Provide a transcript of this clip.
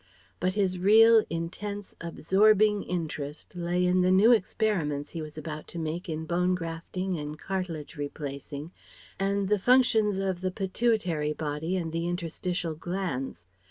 But his real, intense, absorbing interest lay in the new experiments he was about to make in bone grafting and cartilage replacing, and the functions of the pituitary body and the interstitial glands.